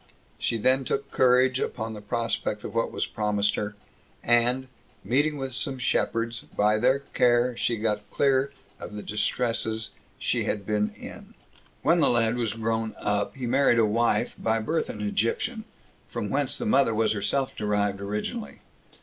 She then took courage, upon the prospect of what was promised her, and, meeting with some shepherds, by their care she got clear of the distresses she had been in. 4. When the lad was grown up, he married a wife, by birth an Egyptian, from whence the mother was herself derived originally.